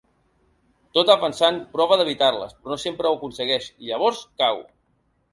Tot avançant, prova d’evitar-les, però no sempre ho aconsegueix i, llavors, cau.